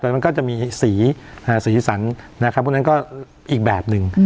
มันก็จะมีสีสันพวกนั้นก็อีกแบบหนึ่ง